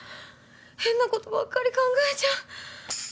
変なことばっかり考えちゃう。